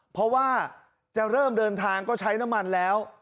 เพราะว่าจะเริ่มเดินทางก็ใช้น้ำมันแล้ว